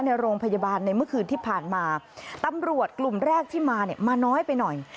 ในโรงพยาบาลในเมื่อคืนที่ผ่านมาตำรวจกลุ่มแรกที่มาเนี่ยมาน้อยไปหน่อย